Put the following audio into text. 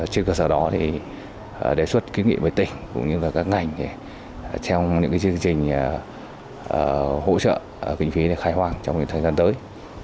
trên cơ sở đó đề xuất kinh nghiệm với tỉnh các ngành theo những chương trình hỗ trợ kinh phí khai hoàng trong thời gian tới